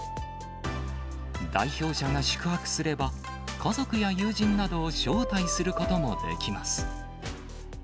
代表者が宿泊すれば、家族や友人などを招待することもできます。